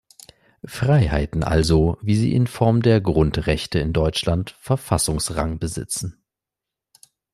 Freiheiten also, wie sie in Form der Grundrechte in Deutschland Verfassungsrang besitzen.